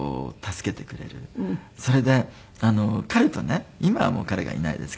それで彼とね今はもう彼がいないですけど。